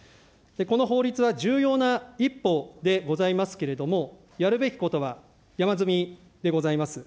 この法律は重要な一歩でございますけれども、やるべきことは山積みでございます。